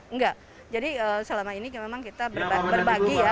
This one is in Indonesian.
enggak jadi selama ini memang kita berbagi ya